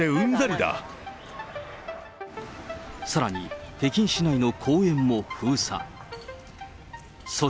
さらに、北京市内の公園も封鎖。